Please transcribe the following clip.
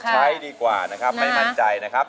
ใช้ดีกว่านะครับไม่มั่นใจนะครับ